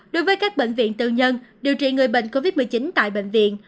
đối với các bệnh viện tư nhân điều trị người bệnh covid một mươi chín tại bệnh viện